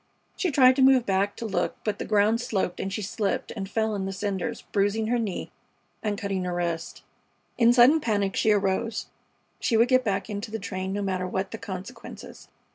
She tried to move back to look, but the ground sloped and she slipped and fell in the cinders, bruising her knee and cutting her wrist. In sudden panic she arose. She would get back into the train, no matter what the consequences.